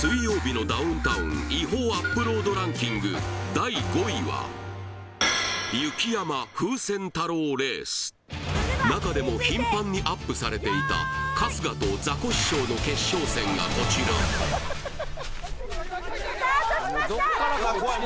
第５位は中でも頻繁にアップされていた春日とザコシショウの決勝戦がこちら・スタートしました！